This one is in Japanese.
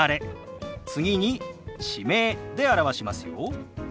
次に地名で表しますよ。